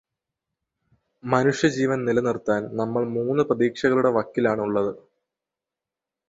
മനുഷ്യജീവൻ നിലനിർത്താൻ നമ്മൾ മൂന്നു പ്രതീക്ഷകളുടെ വക്കിൽ ആണ് ഉള്ളത്